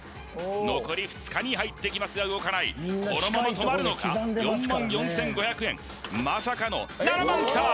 残り２日に入ってきますが動かないこのまま止まるのか４４５００円まさかの７万きた！